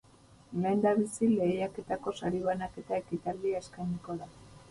Lehendabizi, lehiaketako sari banaketa ekitaldia eskainiko da.